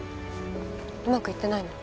うまくいってないの？